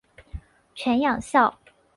犬养孝。